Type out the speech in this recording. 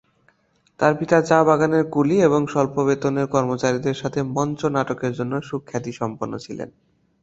তার পিতা চা বাগানের কুলি এবং স্বল্প বেতনের কর্মচারীদের সাথে মঞ্চ নাটকের জন্য সুখ্যাতি সম্পন্ন ছিলেন।